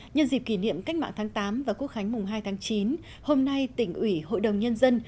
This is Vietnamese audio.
nhân dịp kỷ niệm cách mạng tháng tám và quốc khánh mùng hai tháng chín hôm nay tỉnh ủy hội đồng nhân dân